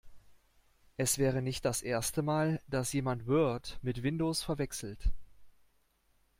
Es wäre nicht das erste Mal, dass jemand Word mit Windows verwechselt.